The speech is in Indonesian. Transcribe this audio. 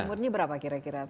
umurnya berapa kira kira